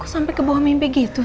kok sampai ke bawah mimpi gitu sih